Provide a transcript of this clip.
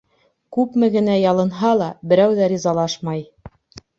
Күпме генә ялынһа ла, берәү ҙә ризалашмай.